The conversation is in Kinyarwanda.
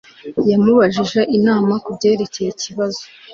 Yamubajije inama kubyerekeye ikibazo